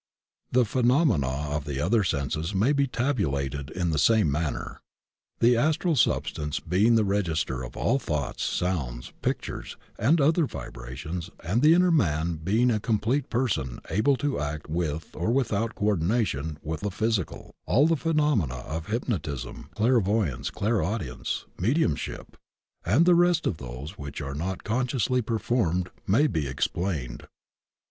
The phenomena of the other senses may be tabulated in the same manner. The Astral substance being the register of all thoughts, sounds, pictures and other vibrations, and the inner man being a complete person able to act with or without coordination with the physical, all the phenomena of hypnotism, clairvoyance, clairaudience, mediumship, and the rest of those which are not con sciously performed may be explained.